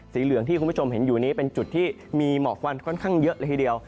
เหลืองที่คุณผู้ชมเห็นอยู่นี้เป็นจุดที่มีหมอกควันค่อนข้างเยอะเลยทีเดียว